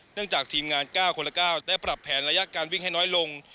จากทีมงาน๙คนละ๙ได้ปรับแผนระยะการวิ่งให้น้อยลง